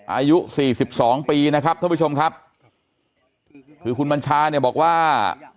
อายุสี่สิบสองปีนะครับท่านผู้ชมครับคือคุณบัญชาเนี่ยบอกว่า